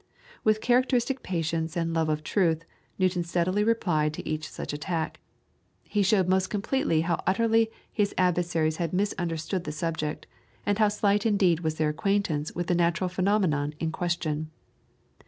With characteristic patience and love of truth, Newton steadily replied to each such attack. He showed most completely how utterly his adversaries had misunderstood the subject, and how slight indeed was their acquaintance with the natural phenomenon in question.